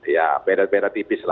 ya beda beda tipis lah